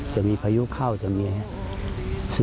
จะมีพยุเข้าจะมีถูกเล็ก